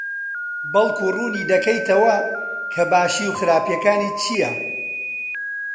بەڵکو ڕوونی دەکەیتەوە کە باشی و خراپییەکانی چییە؟